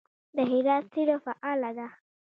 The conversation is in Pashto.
د هرات سیلو فعاله ده.